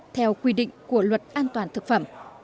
theo quy định của luật an toàn thực phẩm